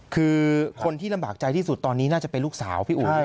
คือคนที่ลำบากใจที่สุดตอนนี้น่าจะเป็นลูกสาวพี่อุ๋ย